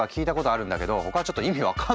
あ！